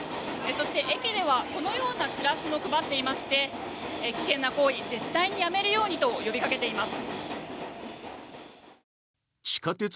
そして駅ではこのようなチラシも配っていまして危険な行為絶対にやめるようにと呼びかけています。